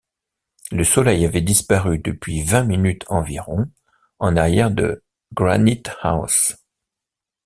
Le soleil avait disparu depuis vingt minutes environ, en arrière de Granite-house.